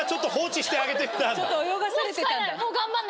ちょっと泳がされてたんだ。